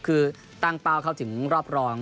คือตั้งเป้าเข้าถึงรอบรอง